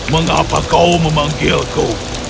mengapa kau memanggilku